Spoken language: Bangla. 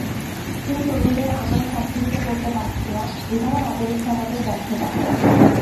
সেই তরুণদের আমরা সম্পৃক্ত করতে পারছি না, এটাও নাগরিক সমাজের ব্যর্থতা।